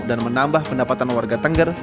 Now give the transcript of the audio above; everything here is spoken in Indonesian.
dan menambah pendapatan warga tengger